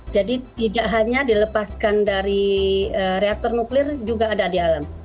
jadi tidak hanya dilepaskan dari reaktor nuklir juga ada di alam